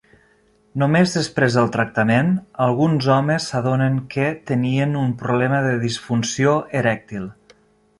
Només després del tractament alguns homes s'adonen que tenien un problema de disfunció erèctil.